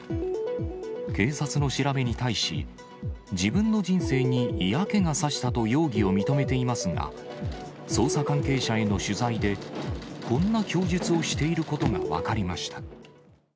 警察の調べに対し、自分の人生に嫌気がさしたと容疑を認めていますが、捜査関係者への取材で、こんな供述をしていることが分かりました。